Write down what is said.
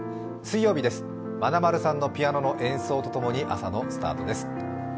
水曜日です、まなまるさんのピアノの演奏とともにスタートです。